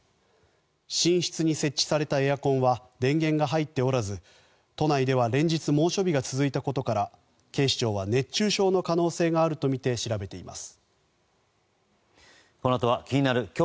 寝室に設置されたエアコンは電源が入っておらず都内では連日猛暑日が続いたことから警視庁は熱中症の可能性があるとみて調べています。